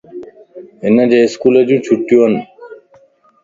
ھنجي اسڪولَ جون چھٽيون وَن